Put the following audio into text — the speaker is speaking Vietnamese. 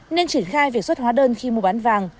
nên triển khai việc xuất hóa đơn khi mua bán vàng